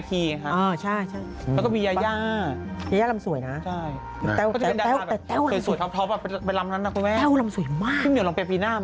เบลร่าก็สวยนะบาบเบลร่าก็ลำเก่งนะ